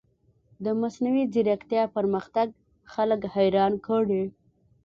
د مصنوعي ځیرکتیا پرمختګ خلک حیران کړي.